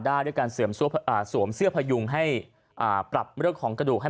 ได้ด้วยการสวมเสื้อพยุงให้ปรับเรื่องของกระดูกให้